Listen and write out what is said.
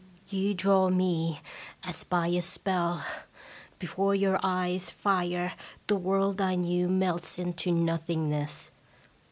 You draw me as by a spell. Before your eyes* fire the world I knew melts into nothingness!